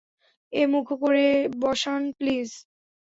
এ-মুখো করে বসান, প্লিজ!